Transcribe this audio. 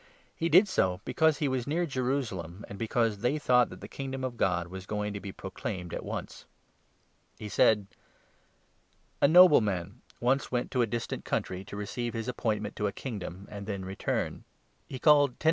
He did so because he Pounds. was near Jerusalem, and because they thought that the Kingdom of God was going to be proclaimed at once. He said : 12 "A nobleman once went to a distant country to receive his appointment to a Kingdom and then return. He called ten 13 , 34.